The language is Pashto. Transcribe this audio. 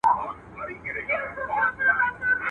نوک او اورۍ نه سره جلا کېږي.